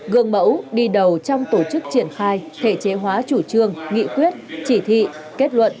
gương mẫu đi đầu trong tổ chức triển khai thể chế hóa chủ trương nghị quyết chỉ thị kết luận